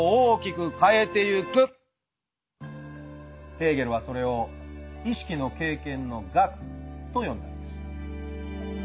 ヘーゲルはそれを「意識の経験の学」と呼んだのです。